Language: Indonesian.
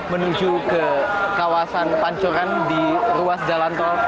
menuju ke kawasan pancoran di ruas jalanto